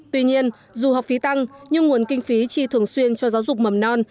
tuy nhiên dù học phí tăng nhưng nguồn kinh phí chi thường xuyên cho giáo dục mầm non